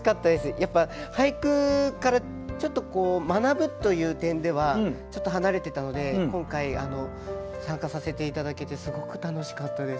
やっぱ俳句からちょっと学ぶという点ではちょっと離れてたので今回参加させて頂けてすごく楽しかったです。